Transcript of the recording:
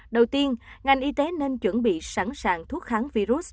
đầu tiên ngành y tế nên chuẩn bị sẵn sàng thuốc kháng virus